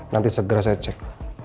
nanti segera saya cek